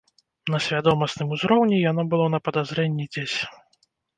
На свядомасным узроўні яно было на падазрэнні дзесь.